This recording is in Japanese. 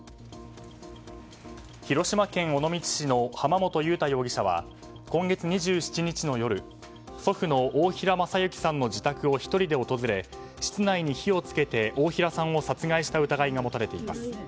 広島県尾道市の浜元佑太容疑者は今月２７日の夜祖父の大平昌之さんの自宅を１人で訪れ、室内に火を付けて大平さんを殺害した疑いが持たれています。